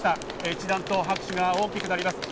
一段と拍手が大きくなります。